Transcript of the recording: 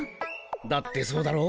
だってそうだろ。